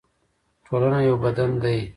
ټولنه یو بدن دی